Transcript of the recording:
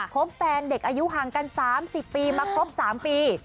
พบแฟนเด็กอายุห่างกัน๓๐ปีมาครบ๓ปี